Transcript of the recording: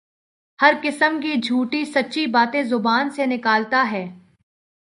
ہر قسم کی جھوٹی سچی باتیں زبان سے نکالتا ہے